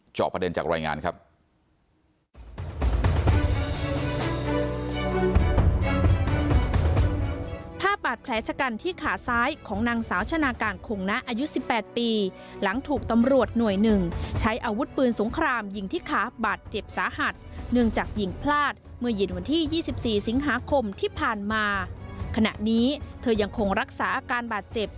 จอบประเด็นจากรายงานครับ